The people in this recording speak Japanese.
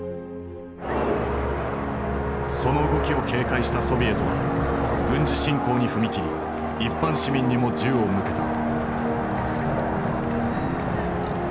その動きを警戒したソビエトは軍事侵攻に踏み切り一般市民にも銃を向けた。